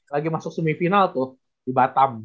lagi masuk semifinal tuh di batam